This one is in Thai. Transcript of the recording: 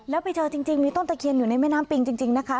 แล้วไปเจอจริงมีต้นตะเคียนอยู่ในแม่น้ำปิงจริงนะคะ